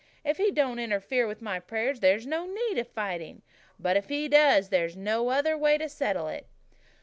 If he don't interfere with my prayers there's no need of fighting. But if he does there's no other way to settle it."